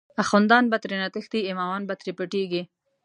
اخوندان به ترینه تښتی، امامان به تری پټیږی